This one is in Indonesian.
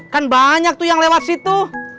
kan banyak tuh yang lewat situ